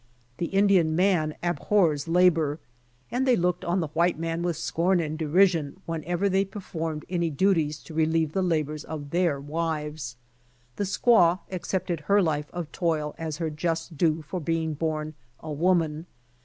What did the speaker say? The Indian man abhors labor, and they looked on the white man with scorn and derision whenever they performed any duties to relieve the labors of their INDIANS 39 wives. The squaw accepted her life of toil as her just due for being born a woman.